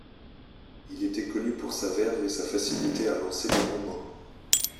Il était connu pour sa verve et sa facilité à lancer des bons mots.